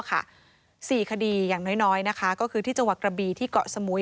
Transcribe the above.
๔คดีอย่างน้อยนะคะก็คือที่จังหวัดกระบีที่เกาะสมุย